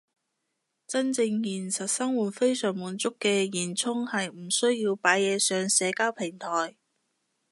真正現實生活非常滿足嘅現充係唔需要擺嘢上社交平台